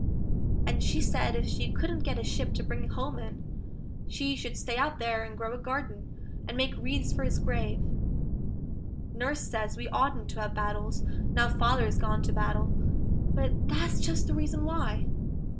And she said if she couldn't get a ship to bring him home in, she should stay out there and grow a garden, and make wreaths for his grave. Nurse says we oughtn't to have battles, now Father's gone to battle, but that's just the reason why!